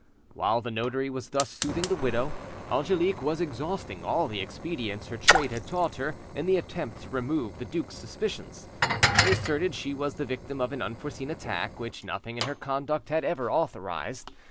While the notary was thus soothing the widow, Angelique was exhausting all the expedients her trade had taught her in the attempt to remove the duke's suspicions. She asserted she was the victim of an unforeseen attack which nothing in her conduct had ever authorised.